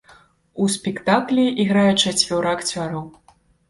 У спектаклі іграе чацвёра акцёраў.